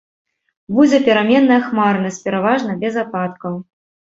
Будзе пераменная хмарнасць, пераважна без ападкаў.